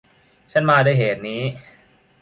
ฉันมาด้วยเหตุนี้